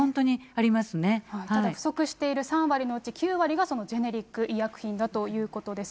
ただ不足している３割のうち、９割がそのジェネリック医薬品だということです。